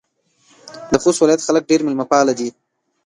د خوست ولایت خلک ډېر میلمه پاله دي.